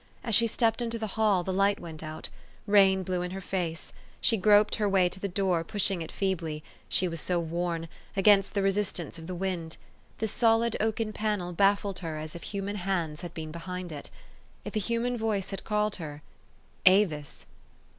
As she stepped into the hall, the light went out. Rain blew in upon her face. She groped her way to the door, pushing it feebly she was so worn against the resistance of the wind. The solid oaken panel baffled her as if human hands had been behind it. If a human voice had called her, "Avis?"